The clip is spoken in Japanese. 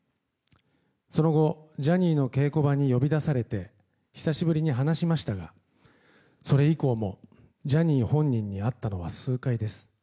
その後、ジャニーの稽古場に呼び出されて久しぶりに話しましたがそれ以降もジャニー本人に会ったのは数回です。